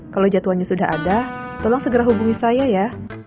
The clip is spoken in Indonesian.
kalau jadwalnya sudah ada tolong segera hubungi saya ya